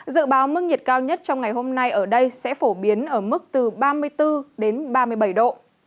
dự báo mức nhiệt cao nhất trong ngày hôm nay ở đây sẽ phổ biến ở mức từ ba mươi bốn đến ba mươi bảy độ